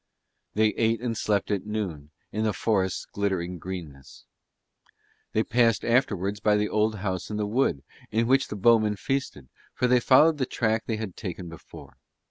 They ate and slept at noon in the forest's glittering greenness. They passed afterwards by the old house in the wood, in which the bowmen feasted, for they followed the track that they had taken before.